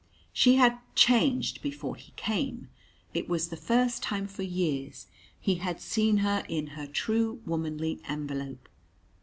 She had "changed" before he came. It was the first time for years he had seen her in her true womanly envelope.